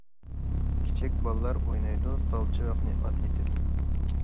كىچىك بالىلار ئوينايدۇ، تال چىۋىقنى ئات ئېتىپ.